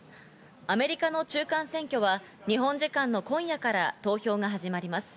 アメリカの中間選挙は日本時間の今夜から投票が始まります。